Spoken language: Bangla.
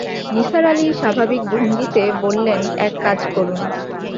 নিসার আলি স্বাভাবিক ভঙ্গিতে বললেন, এক কাজ করুন।